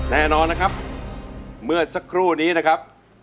แน่นอนนะครับเมื่อสักครู่นี้นะครับ